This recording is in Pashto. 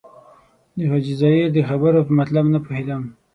د حاجي ظاهر د خبرو په مطلب نه پوهېدم.